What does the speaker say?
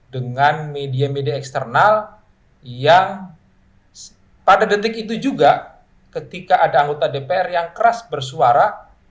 dengan media media eksternal yang pada detik itu juga ketika ada anggota dpr yang keras bersuara